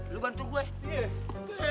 lo bantu gue ya